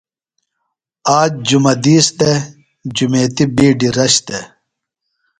آج جمہ دِیس دےۡ۔ جمیتی بِیڈیۡ رش دےۡ۔